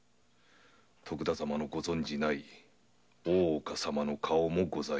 徳田様のご存じない大岡様の顔もございます。